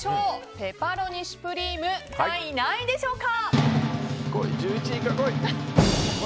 ペパロニ・シュプリーム第何位でしょうか。